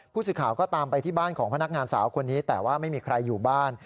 ผู้สื่อข่าวก็ตามไปที่บ้านของพนักงานสาวคนนี้แต่ว่าไม่มีใครอยู่บ้าน